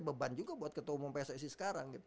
beban juga buat ketua umum pssi sekarang